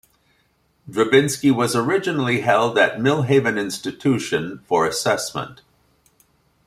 Drabinsky was originally held at Millhaven Institution, for assessment.